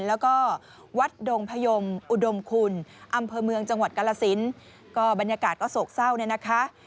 แล้วก็วัดดงพยมอุดมคุณอำเภอเมืองจังหวัดกาลสินก็บรรยากาศก็โศกเศร้าเนี่ยนะคะ